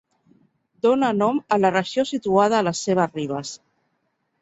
Dóna nom a la regió situada a les seves ribes.